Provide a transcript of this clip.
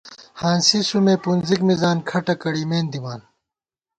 ہانسی سُومے پُنزِک مِزان ، کھٹہ کڑِمېن دِمان